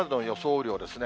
雨量ですね。